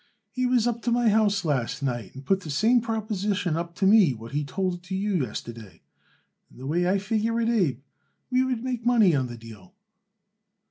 "He was up to my house last night, and put the same proposition up to me what he told it you yesterday, and the way I figure it, Abe, we would make money on the deal."